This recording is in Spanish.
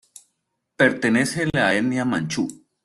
Pertenece a la etnia manchú.